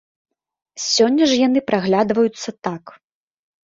Сёння ж яны праглядваюцца так.